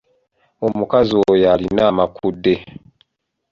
Omukazi oyo alina amakudde.